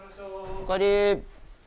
おかえり。